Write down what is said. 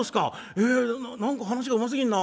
え何か話がうますぎんな。